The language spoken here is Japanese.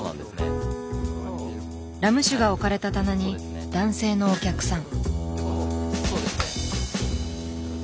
ラム酒が置かれた棚に男性のお客さん。